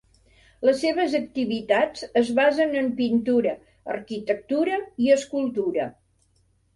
Les seves activitats es basen en Pintura, Arquitectura i Escultura.